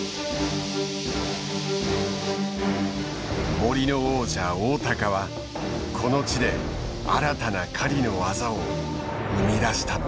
森の王者オオタカはこの地で新たな狩りの技を生み出したのだ。